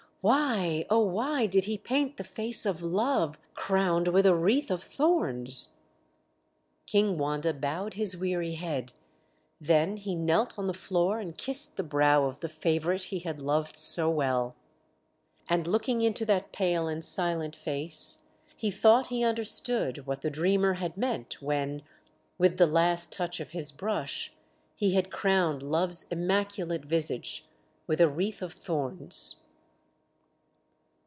Why, oh why did he paint the face of Love crowned with a wreath of thorns?" King Wanda bowed his weary head: then he knelt on the floor and kissed the brow of the favourite he had loved so well and, looking into that pale and silent face, he thought he understood what the Dreamer had meant when, with the last touch of his brush, he had crowned Love's immaculate visage with a wreath of thorns.